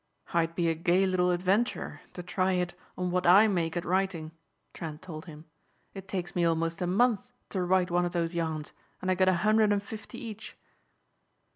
"I'd be a gay little adventurer to try it on what I make at writing," Trent told him. "It takes me almost a month to write one of those yarns and I get a hundred and fifty each."